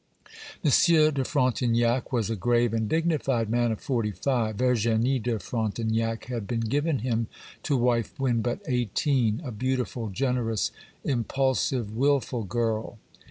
Monsieur de Frontignac was a grave and dignified man of forty five. Virginie de Frontignac had been given him to wife when but eighteen; a beautiful, generous, impulsive, wilful girl.